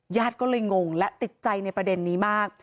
ญาติก็เลยงงและติดใจในประเด็นนี้มาก